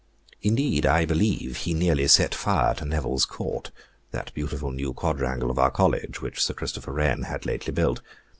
Indeed, I believe he nearly set fire to Nevil's Court, that beautiful new quadrangle of our college, which Sir Christopher Wren had lately built.